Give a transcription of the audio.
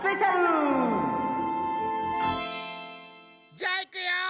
じゃあいくよ！